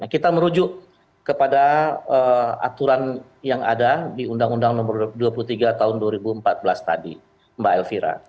kita merujuk kepada aturan yang ada di undang undang nomor dua puluh tiga tahun dua ribu empat belas tadi mbak elvira